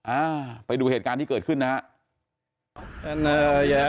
อ่าไปดูเหตุการณ์ที่เกิดขึ้นนะฮะ